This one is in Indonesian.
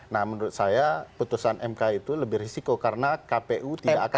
nah menurut saya putusan mk itu lebih risiko karena kpu tidak akan